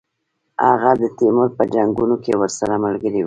هغه د تیمور په جنګونو کې ورسره ملګری وو.